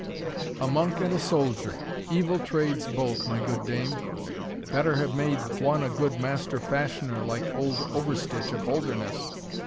"A monk and a soldier! Evil trades both, my good dame. Better have made one a good master fashioner, like old Overstitch, of Holderness.